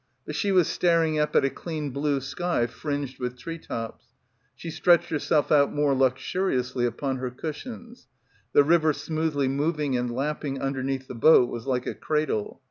But she was staring up — 197 — PILGRIMAGE at a clean blue sky fringed with tree tops. She .stretched herself out more luxuriously upon her cushions. The river smoothly moving and lap ping underneath the boat was like a cradle.